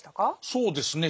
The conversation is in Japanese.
そうですね